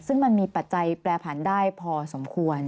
ซึ่งมันมีปัจจัยแปรผันได้พอสมควร